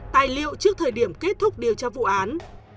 trước thời điểm kết thúc điều tra vụ án